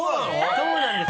そうなんです！